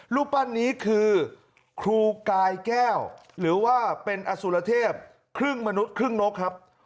รูปปั้นนี้คือครูกายแก้วหรือว่าเป็นอสุรเทพครึ่งมนุษย์ครึ่งนกครับ